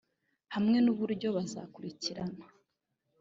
hamwe n'uburyo bazakurikirana